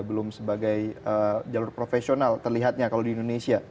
belum sebagai jalur profesional terlihatnya kalau di indonesia